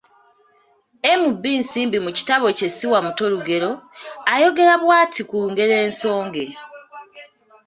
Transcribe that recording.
M.B.Nsimbi mu kitabo kye Siwa muto Lugero, ayogera bw’ati ku ngero ensonge,